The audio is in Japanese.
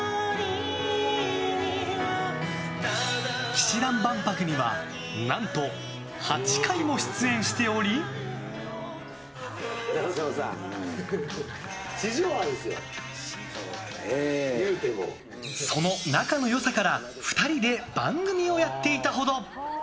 氣志團万博には何と８回も出演しておりその仲の良さから２人で番組をやっていたほど。